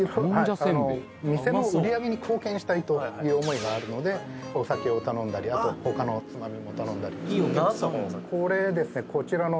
はい店の売り上げに貢献したいという思いがあるのでお酒を頼んだりあと他のおつまみも頼んだりこれですね